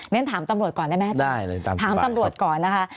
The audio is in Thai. ฉันถามตำรวจก่อนได้ไหมถามตำรวจก่อนนะคะ